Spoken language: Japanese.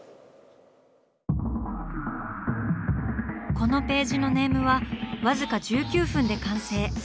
このページのネームはわずか１９分で完成。